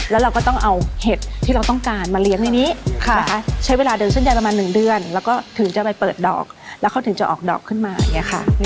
แล้วเราก็ต้องเอาเห็ดที่เราต้องการมาเลี้ยงในนี้นะคะใช้เวลาเดินเส้นใยประมาณ๑เดือนแล้วก็ถึงจะไปเปิดดอกแล้วเขาถึงจะออกดอกขึ้นมาอย่างนี้ค่ะ